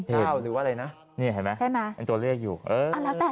หรือว่าอะไรนะนี่เห็นไหมใช่ไหมเป็นตัวเลขอยู่เออแล้วแต่